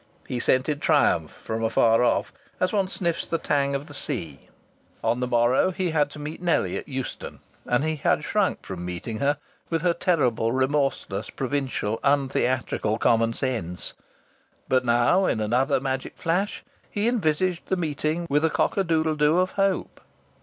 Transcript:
He scented triumph from afar off, as one sniffs the tang of the sea. On the morrow he had to meet Nellie at Euston, and he had shrunk from meeting her, with her terrible remorseless, provincial, untheatrical common sense; but now, in another magic flash, he envisaged the meeting with a cock a doodle doo of hope.